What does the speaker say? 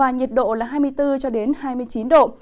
nhiệt độ là hai mươi bốn hai mươi chín độ